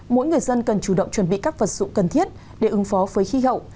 mỗi người dân cần chủ động chuẩn bị các vật dụng cần thiết để ứng phó với khí hậu